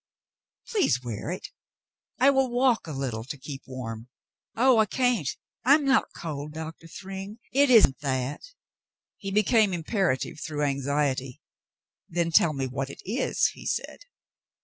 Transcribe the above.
'* "Please wear it. I will walk a little to keep warm." "Oh ! I can't. I'm not cold, Doctor Thryng. It isn't that." He became imperative through anxiety. "Then tell me what it is," he said.